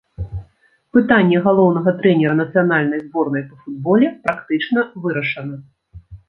Пытанне галоўнага трэнера нацыянальнай зборнай па футболе практычна вырашана.